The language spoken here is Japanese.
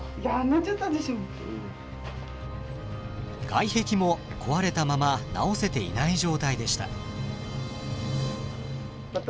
外壁も壊れたまま直せていない状態でした。